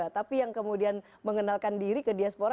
tapi yang kemudian mengenalkan diri ke diaspora